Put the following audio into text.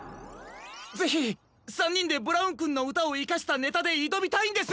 ぜひ３にんでブラウンくんのうたをいかしたネタでいどみたいんです！